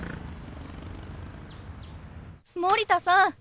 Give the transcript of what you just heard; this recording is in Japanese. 森田さん